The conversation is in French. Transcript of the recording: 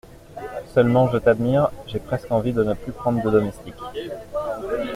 Seulement, je t’admire,… j’ai presque envie de ne plus prendre de domestique.